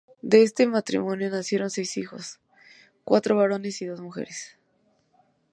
De este matrimonio nacieron seis hijos, cuatro varones y dos mujeres.